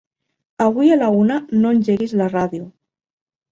Avui a la una no engeguis la ràdio.